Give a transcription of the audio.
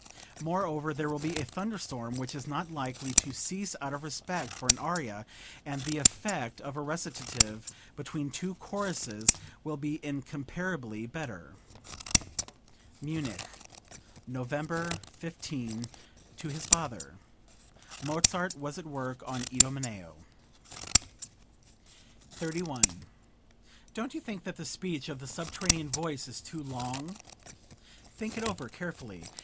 Moreover there will be a thunder storm which is not likely to cease out of respect for an aria, and the effect of a recitative between two choruses will be incomparably better." (Munich, November 15, to his father. Mozart was at work on "Idomeneo.") 31. "Don't you think that the speech of the subterranean voice is too long? Think it over, carefully.